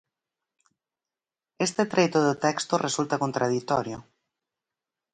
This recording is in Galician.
Este treito do texto resulta contraditorio.